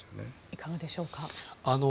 いかがでしょうか。